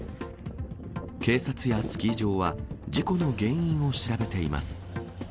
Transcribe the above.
警察やスキー場は、事故の原因を調べています。